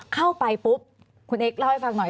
เข้าไปปุ๊บคุณเอ็กซเล่าให้ฟังหน่อย